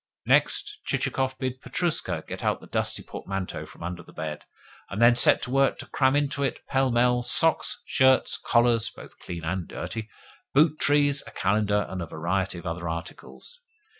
Next, Chichikov bid Petrushka get out the dusty portmanteau from under the bed, and then set to work to cram into it, pell mell, socks, shirts, collars (both clean and dirty), boot trees, a calendar, and a variety of other articles.